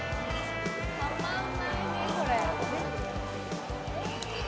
たまんないね、これ。